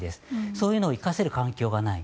そういうのを生かせる環境がない。